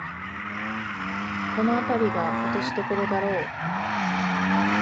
このあたりが落としどころだろう